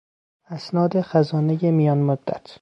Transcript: اسناد خزانهی میان مدت